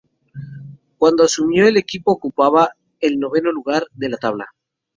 Cuando asumió, el equipo ocupaba el noveno lugar de la tabla.